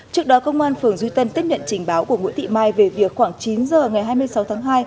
trước đó công an phường duy tân tiếp nhận trình báo của nguyễn thị mai về việc khoảng chín giờ ngày hai mươi sáu tháng hai